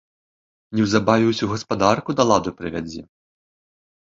Неўзабаве ўсю гаспадарку да ладу прывядзе.